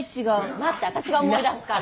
待って私が思い出すから。